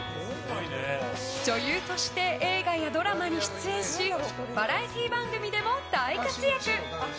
女優として映画やドラマに出演しバラエティー番組でも大活躍。